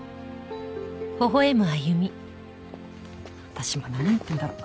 私も何やってんだろう。